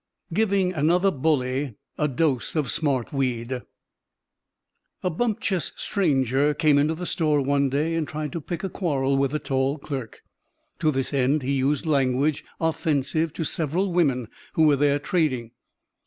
GIVING ANOTHER BULLY "A DOSE OF SMARTWEED" A bumptious stranger came into the store one day and tried to pick a quarrel with the tall clerk. To this end he used language offensive to several women who were there trading.